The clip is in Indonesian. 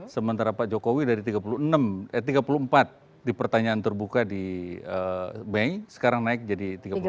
sementara pak jokowi dari tiga puluh empat di pertanyaan terbuka di mei sekarang naik jadi tiga puluh delapan